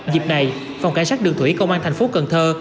dịp này phòng cảnh sát đường thủy công an thành phố cần thơ